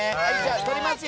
撮りますよ。